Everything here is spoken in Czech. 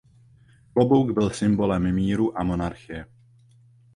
Klobouk byl symbolem míru a monarchie.